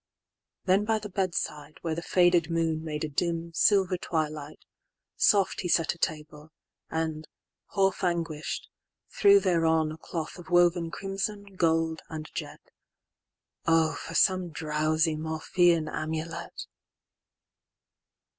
XXIX.Then by the bed side, where the faded moonMade a dim, silver twilight, soft he setA table, and, half anguish'd, threw thereonA cloth of woven crimson, gold, and jet:—O for some drowsy Morphean amulet!